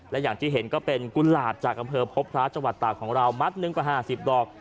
และอย่างที่เห็นก็เป็นกุหลาบจากอำเภอพบพระจังหวัดตากของเรามัดหนึ่งกว่า๕๐ดอก